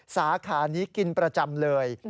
สาขานี้กินประจำเลย